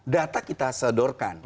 data kita sedorkan